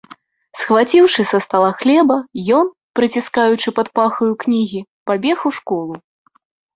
Схваціўшы са стала хлеба, ён, прыціскаючы пад пахаю кнігі, пабег у школу.